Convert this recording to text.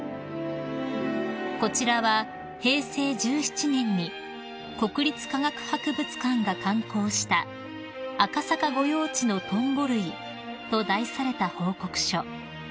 ［こちらは平成１７年に国立科学博物館が刊行した『赤坂御用地のトンボ類』と題された報告書］